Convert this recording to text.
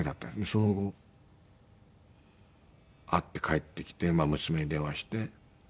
その後会って帰ってきて娘に電話して。